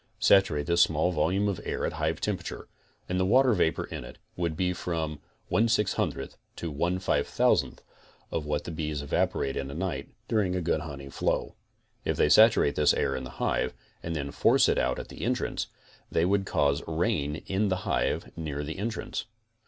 Saturate this small volume of air at hive temperature and the water vapor in it would be from i 600 to 1 5000 of what the bees evaporate in a night during a good honey flow. If they saturated this air'in the hive and then forced it out at the entrance, they would cause rain in the hive near the entrance.